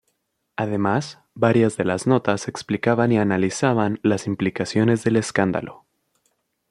Además, varias de las notas explicaban y analizaban las implicaciones del escándalo.